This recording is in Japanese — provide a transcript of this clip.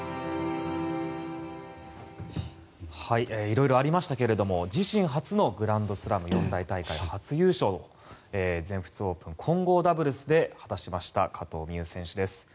色々ありましたけども自身初のグランドスラム四大大会初優勝全仏オープン混合ダブルスで果たしました加藤未唯選手です。